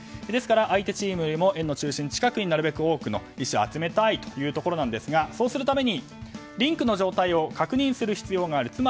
ですから相手チームよりも円の中心近くになるべく多くの石を集めたいところなんですがそのためにリンクの状態を確認する必要がある。